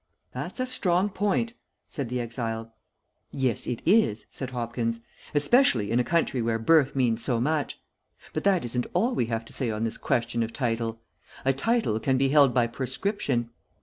"That's a strong point," said the exile. "Yes, it is," said Hopkins, "especially in a country where birth means so much. But that isn't all we have to say on this question of title. A title can be held by prescription.